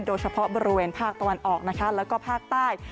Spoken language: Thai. โดยเฉพาะบริเวณภาคตะวันออกนะคะแล้วก็ภาคใต้